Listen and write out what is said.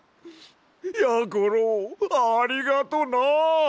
やころありがとな！